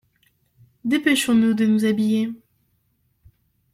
Dépêchons-nous de nous habiller.